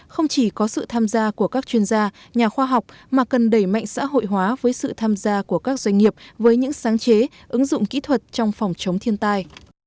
không chỉ có sự tham gia của các chuyên gia nhà khoa học mà cần đẩy mạnh xã hội hóa với sự tham gia của các doanh nghiệp với những sáng chế ứng dụng kỹ thuật trong phòng chống thiên tai